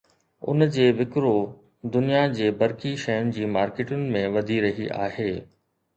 ان جي وڪرو دنيا جي برقي شين جي مارڪيٽن ۾ وڌي رهي آهي